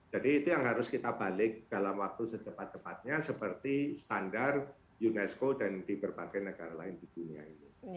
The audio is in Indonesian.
jadi itu yang harus kita balik dalam waktu secepat cepatnya seperti standar unesco dan di berbagai negara lain di dunia ini